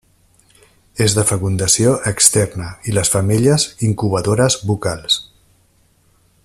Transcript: És de fecundació externa i les femelles incubadores bucals.